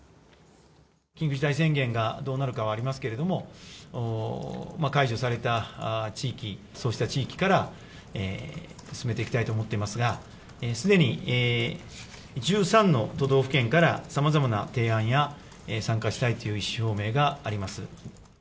緊急事態宣言がどうなるかはありますけども、解除された地域、そうした地域から進めていきたいと思っていますが、すでに１３の都道府県からさまざまな提案や、参加したいという意思表明があります。